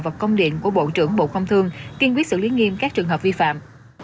và công điện của bộ trưởng bộ công thương kiên quyết xử lý nghiêm các trường hợp vi phạm